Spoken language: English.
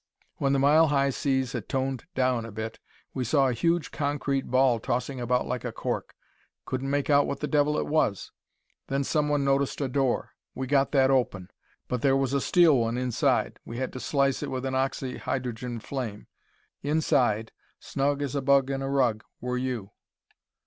"When the mile high seas had toned down a bit, we saw a huge concrete ball tossing about like a cork. Couldn't make out what the devil it was. Then someone noticed a door. We got that open, but there was a steel one inside. We had to slice it with an oxy hydrogen flame. Inside, snug as a bug in a rug, were you.